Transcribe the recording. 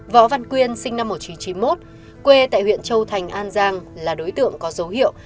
võ văn quyên sinh năm một nghìn chín trăm chín mươi một quê tại huyện châu thành an giang là đối tượng có dấu hiệu